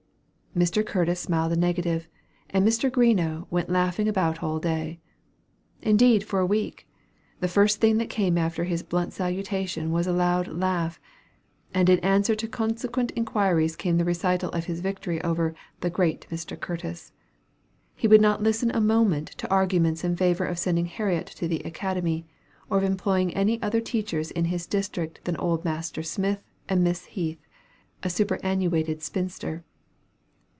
Mr. Curtis smiled a negative; and Mr. Greenough went laughing about all day. Indeed, for a week, the first thing that came after his blunt salutation, was a loud laugh; and in answer to consequent inquiries came the recital of his victory over "the great Mr. Curtis." He would not listen a moment to arguments in favor of sending Harriet to the academy, or of employing any other teachers in his district than old Master Smith, and Miss Heath, a superanuated spinster.